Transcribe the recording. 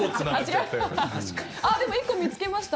でも、１個見つけました。